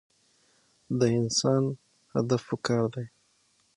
د انسان پۀ هدف پکار دے -